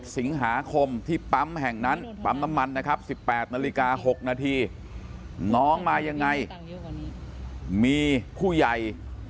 สิงหาคมที่ปั๊มแห่งนั้นปั๊มน้ำมันนะครับ๑๘นาฬิกา๖นาทีน้องมายังไงมีผู้ใหญ่